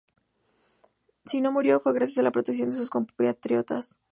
Si no murió, fue gracias a la protección de sus compatriotas.